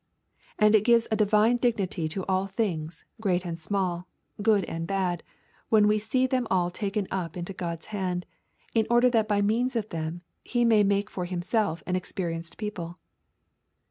And it gives a divine dignity to all things, great and small, good and bad, when we see them all taken up into God's hand, in order that by means of them He may make for Himself an experienced people.